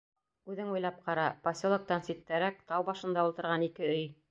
Үҙең уйлап ҡара: поселоктан ситтәрәк, тау башында ултырған ике өй.